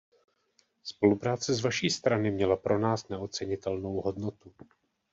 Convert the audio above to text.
Spolupráce z vaší strany měla pro nás neocenitelnou hodnotu.